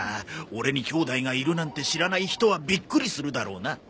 オレに兄弟がいるなんて知らない人はビックリするだろうな。